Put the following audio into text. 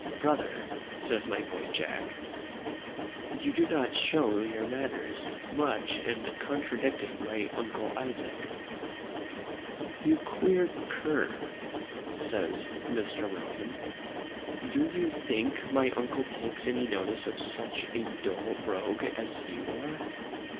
"Brother," says my boy Jack, "you do not show your manners much in contradicting my uncle Isaac!" "You queer cur," says Mr. William, "do you think my uncle takes any notice of such a dull rogue as you are?"